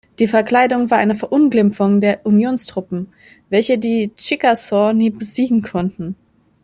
Die Verkleidung war eine Verunglimpfung der Unionstruppen, welche die Chickasaw nie besiegen konnten.